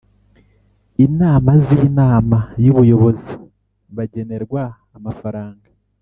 Inama Z Inama Y Ubuyobozi Bagenerwa Amafaranga